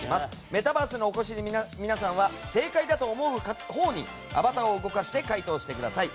メタバースにお越しの皆さんは正解だと思うほうにアバターを動かして回答してください。